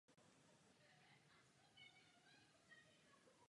Byl součástí francouzské nové vlny.